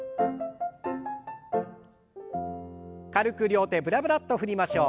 軽く両手ブラブラッと振りましょう。